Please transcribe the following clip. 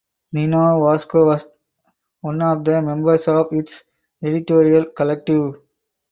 Neno Vasco was one of the members of its editorial collective.